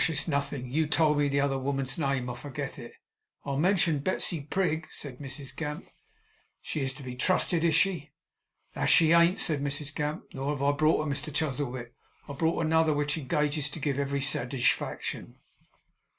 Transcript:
It's nothing. You told me the other woman's name. I forget it.' 'I mentioned Betsey Prig,' said Mrs Gamp. 'She is to be trusted, is she?' 'That she ain't!' said Mrs Gamp; 'nor have I brought her, Mr Chuzzlewit. I've brought another, which engages to give every satigefaction.